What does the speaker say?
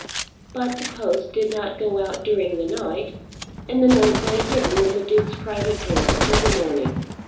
But the post did not go out during the night, and the note lay hidden in the Duke's private drawer till the morning.